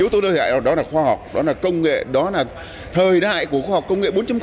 yếu tố đơn hại đó là khoa học đó là công nghệ đó là thời đại của khoa học công nghệ bốn